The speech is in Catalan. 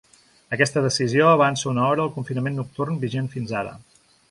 Aquesta decisió avança una hora el confinament nocturn vigent fins ara.